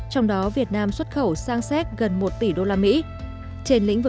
trong đó việt nam xuất khẩu sang sét gần một tỷ usd